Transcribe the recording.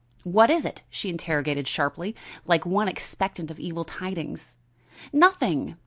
"What is it?" she interrogated sharply, like one expectant of evil tidings. "Nothing!